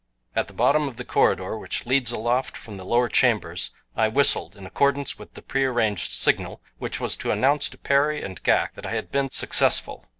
At the bottom of the corridor which leads aloft from the lower chambers I whistled in accordance with the prearranged signal which was to announce to Perry and Ghak that I had been successful.